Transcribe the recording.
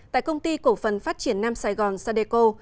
tại công ty cổ phần phát triển nam sài gòn sadeco